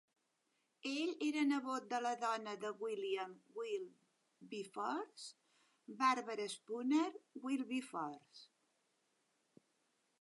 Ell era el nebot de la dona de William Wilberforce, Barbara Spooner Wilberforce.